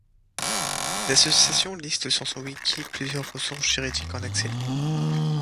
L'association liste sur son wiki plusieurs ressources juridiques en accès libre.